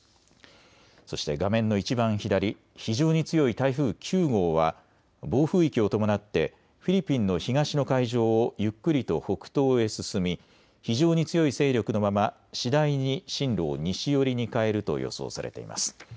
そして画面のいちばん左、非常に強い台風９号は暴風域を伴ってフィリピンの東の海上をゆっくりと北東へ進み非常に強い勢力のまま次第に進路を西寄りに変えると予想されています。